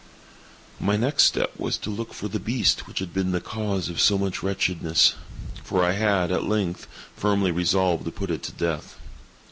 My next step was to look for the beast which had been the cause of so much wretchedness; for I had, at length, firmly resolved to put it to death.